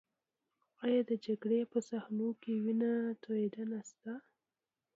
ایا د جګړې په صحنو کې وینه تویدنه شته؟